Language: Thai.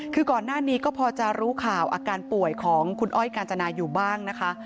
คือก่อนหน้านี้ก็พอจะรู้ข่าวอาการป่วยของคุณอ้อยกาญจนาอยู่บ้างนะคะ